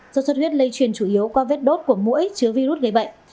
do xuất xuất huyết lây truyền chủ yếu qua vết đốt của mũi chứa virus gây bệnh